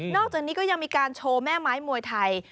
อกจากนี้ก็ยังมีการโชว์แม่ไม้มวยไทย